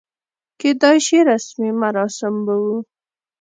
کېدای شي رسمي مراسم به و.